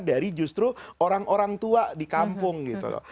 dari justru orang orang tua di kampung gitu loh